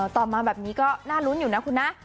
ต่อมาแบบนี้ก็น่ารุ้นอยู่นะคุณนะ